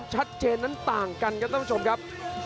หงางจิบ